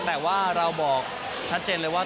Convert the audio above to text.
แต่ว่าเราบอกชัดเจนเลยว่า